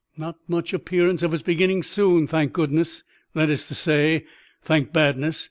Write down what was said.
Not much appearance of its beginning soon, thank goodness—that is to say,, thank badness.